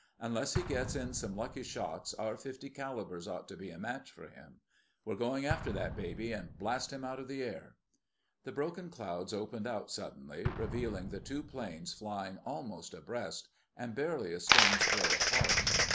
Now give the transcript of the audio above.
"Unless he gets in some lucky shots our .50 calibers ought to be a match for him. We're going after that baby, and blast him out of the air!" The broken clouds opened out suddenly, revealing the two planes flying almost abreast, and barely a stone's throw apart.